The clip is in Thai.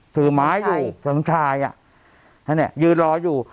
ส่วนชายส่วนสำชายอ่ะนะนี่ยืนรออยู่